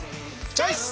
チョイス！